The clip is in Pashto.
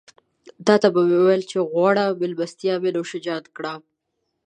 تاته به مې وويل چې غوړه مېلمستيا مې نوشيجان کړه.